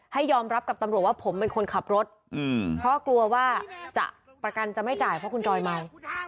ยอมรับกับตำรวจว่าผมเป็นคนขับรถเพราะกลัวว่าจะประกันจะไม่จ่ายเพราะคุณจอยเมา